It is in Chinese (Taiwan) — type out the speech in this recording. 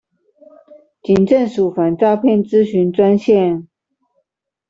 警政署反詐騙諮詢專線